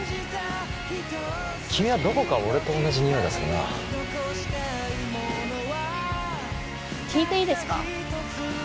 君はどこか俺と同じにおいがするな聞いていいですか？